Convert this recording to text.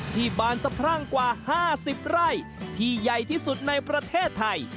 บานสะพรั่งกว่า๕๐ไร่ที่ใหญ่ที่สุดในประเทศไทย